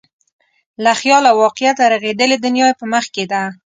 له خیال او واقعیته رغېدلې دنیا یې په مخ کې ده.